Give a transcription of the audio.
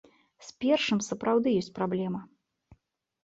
З першым сапраўды ёсць праблема.